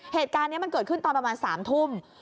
เหตุการณ์นี้มันเกิดขึ้นตอนประมาณ๓ทุ่ม